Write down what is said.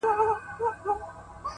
ستا د خولې خندا يې خوښه سـوېده!